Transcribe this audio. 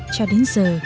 cho đến giờ